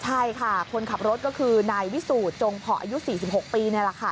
ใช่ค่ะคนขับรถก็คือนายวิสูจน์จงเพาะอายุ๔๖ปีนี่แหละค่ะ